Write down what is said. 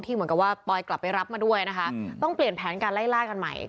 เหมือนกับว่าปอยกลับไปรับมาด้วยนะคะต้องเปลี่ยนแผนการไล่ล่ากันใหม่